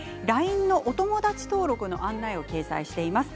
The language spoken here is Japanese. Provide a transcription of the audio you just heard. ＬＩＮＥのお友達登録の案内を掲載しています。